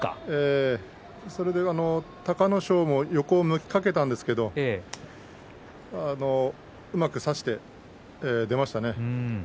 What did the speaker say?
それで隆の勝も横を向きかけたんですけれどうまく差して出ましたね。